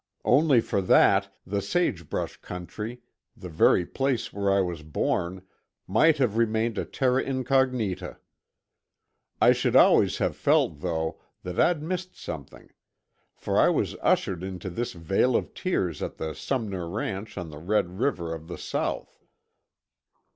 Only for that the sage brush country, the very place where I was born might have remained a terra incognita. I should always have felt, though, that I'd missed something, for I was ushered into this vale of tears at the Summer ranch on the Red River of the South.